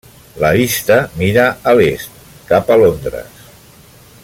La vista mira a l'est, cap a Londres.